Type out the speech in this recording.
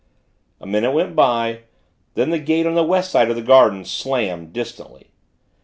A minute went by; then the gate on the West side of the gardens, slammed, distantly.